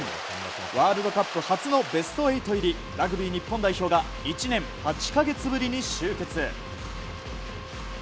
ワールドカップ初のベスト８入りラグビー日本代表が１年８か月ぶりに集結。